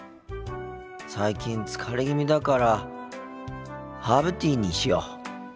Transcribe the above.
最近疲れ気味だからハーブティーにしよう。